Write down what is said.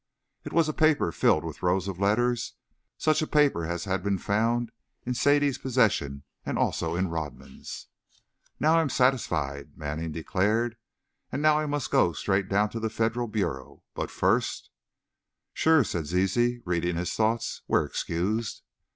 It was a paper filled with rows of letters, such a paper as had been found in Sadie's possession and also in Rodman's. "Now, I am satisfied," Manning declared; "and now I must go straight down to the Federal Bureau. But first " "Sure!" said Zizi, reading his thoughts; "we're excused!"